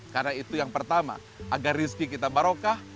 karena itu yang pertama agar rizki kita barokah